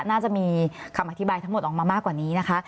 น่าจะมีคำอธิบายทั้งหมดออกมามากกว่านี้นะคะ